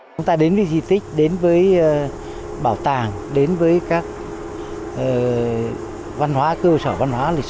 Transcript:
chúng ta đến với di tích đến với bảo tàng đến với các văn hóa cơ sở văn hóa